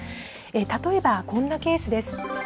例えばこんなケースです。